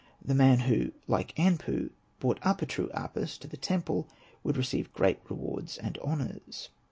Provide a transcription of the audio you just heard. The man who, like Anpu, brought up a true Apis to the temple would receive great rewards and honours.